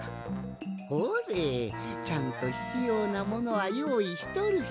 ほれちゃんとひつようなものはよういしとるし。